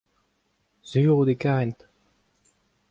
sur out e karent.